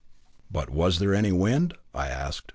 "But was there any wind?" I asked.